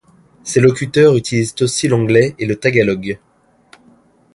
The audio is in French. Ses locuteurs utilisent aussi l'anglais et le tagalog.